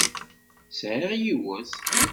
Sɛiɣ yiwet.